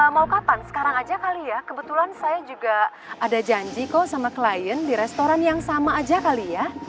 mau kapan sekarang aja kali ya kebetulan saya juga ada janji kok sama klien di restoran yang sama aja kali ya